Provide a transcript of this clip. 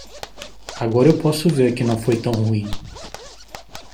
Agora eu posso ver que não foi tão ruim.